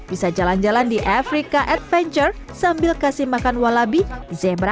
bisa jalan jalan di afrika adventure sambil kasih makan walabi zebra dan hewan asal afrika